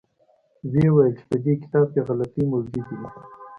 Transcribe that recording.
ویې ویل چې په دې کتاب کې غلطۍ موجودې دي.